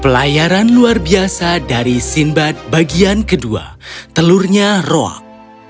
pelayaran luar biasa dari sinbad bagian kedua telurnya roak